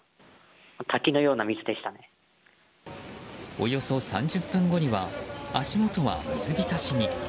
およそ３０分後には足元は水浸しに。